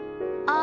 「あ」。